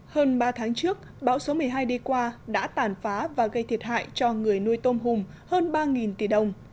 hơn ba tháng trước bão số một mươi hai đi qua đã tàn phá và gây thiệt hại cho người nuôi tôm hùm hơn ba tỷ đồng